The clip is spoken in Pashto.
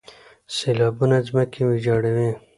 سیلابونه ځمکې ویجاړوي.